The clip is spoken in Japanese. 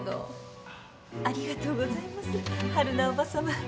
ありがとうございます春菜叔母さま。